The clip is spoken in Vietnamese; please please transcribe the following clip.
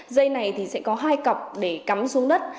dây này thì sẽ có hai cọc để cắm xuống đất